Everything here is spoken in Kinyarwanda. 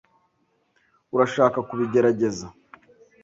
Urashaka kubigerageza?